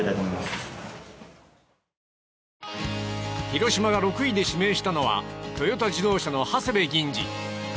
広島が６位で指名したのはトヨタ自動車の長谷部銀次。